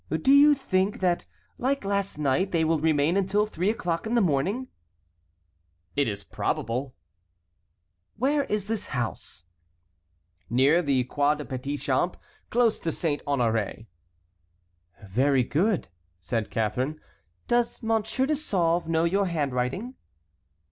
"Do you think that like last night they will remain until three o'clock in the morning?" "It is probable." "Where is the house?" "Near the Croix des Petits Champs, close to Saint Honoré." "Very good," said Catharine. "Does Monsieur de Sauve know your handwriting?"